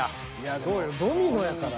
そうよドミノやから。